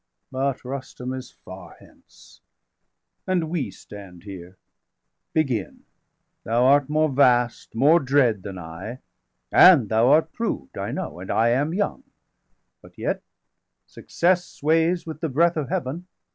But Rustum is far hence, and we stand here. Begin! thou art more vast, more dread than I, 385 And thou art proved, I know, and I am young But yet success sways with the breath of Heaven.